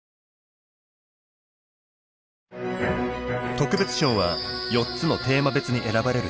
特別賞は４つのテーマ別に選ばれる賞です。